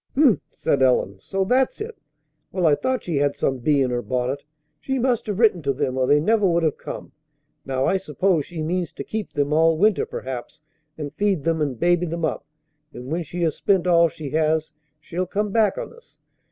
"H'm!" said Ellen. "So that's it! Well, I thought she had some bee in her bonnet. She must have written to them or they never would have come. Now, I suppose she means to keep them all winter, perhaps, and feed them, and baby them up; and, when she has spent all she has, she'll come back on us.